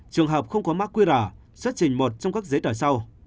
trường hợp không có markweera xuất trình một trong các giấy tờ sau